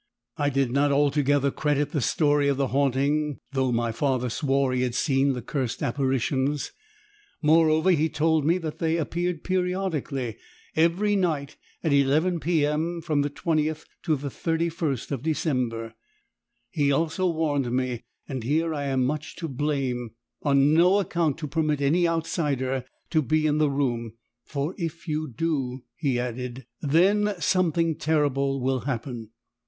"I did not altogether credit the story of the haunting though my father swore he had seen the cursed apparitions. Moreover he told me that they appeared periodically every night at 11 P.M. from the 20th to the 31st of December. He also warned me, and here I am much to blame, on no account to permit any outsider to be in the room, 'for if you do,' he added, 'THEN, something terrible will happen.